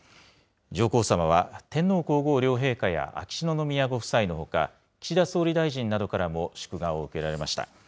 上皇さまは天皇皇后両陛下や秋篠宮ご夫妻のほか、岸田総理大臣などからも祝賀を受けられました。